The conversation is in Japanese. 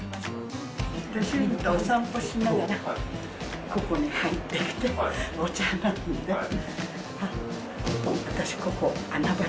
主人とお散歩しながら、ここに入ってきて、お茶飲んで。